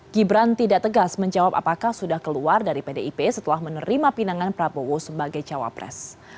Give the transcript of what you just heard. gibran tidak tegas menjawab apakah sudah keluar dari pdip setelah menerima pinangan prabowo sebagai cawapres